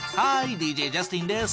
ＤＪジャスティンです。